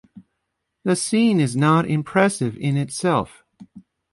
The scene is not impressive in itself.